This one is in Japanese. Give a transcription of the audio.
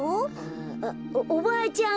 「おばあちゃん